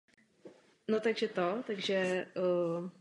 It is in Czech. V devadesátých letech hrál se skupinou Markýz John.